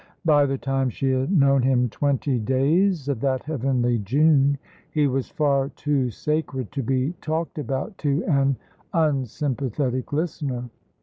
By the time she had known him twenty days of that heavenly June, he was far too sacred to be talked about to an unsympathetic listener.